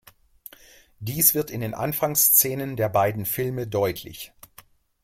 Dies wird in den Anfangsszenen der beiden Filme deutlich.